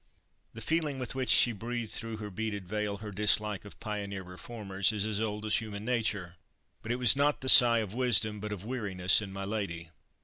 The feeling with which she breathed through her beaded veil her dislike of pioneer reformers is as old as human nature. But it was not the sigh of wisdom, but of weariness, in my lady.